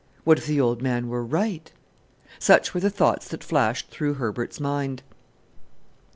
What if the old man were right!" Such were the thoughts that flashed through Herbert's mind.